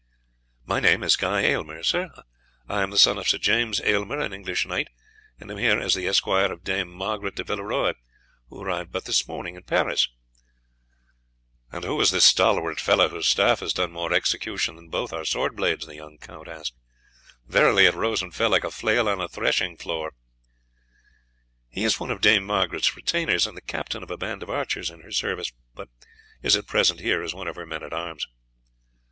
"My name is Guy Aylmer, sir; I am the son of Sir James Aylmer, an English knight, and am here as the esquire of Dame Margaret de Villeroy, who arrived but this morning in Paris." "And who is this stalwart fellow whose staff has done more execution than both our sword blades?" the young count asked; "verily it rose and fell like a flail on a thrashing floor." "He is one of Dame Margaret's retainers, and the captain of a band of archers in her service, but is at present here as one of her men at arms."